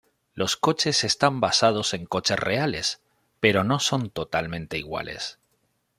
Los coches están basados en coches reales, pero no son totalmente iguales.